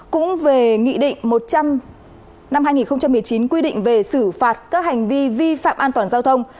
cũng về nghị định một trăm năm hai nghìn một mươi chín quy định về xử phạt các hành vi vi phạm an toàn giao thông